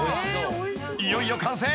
［いよいよ完成］